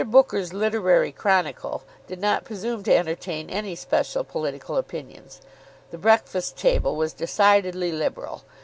Booker's "Literary Chronicle" did not presume to entertain any special political opinions. The "Breakfast Table" was decidedly Liberal.